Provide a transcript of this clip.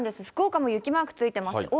福岡も雪マークついてます。